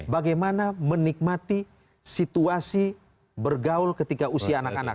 bagaimana menikmati situasi bergaul ketika usia berapa